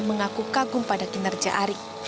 mengaku kagum pada keberadaan